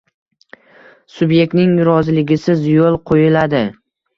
subyektning roziligisiz yo‘l qo‘yiladi.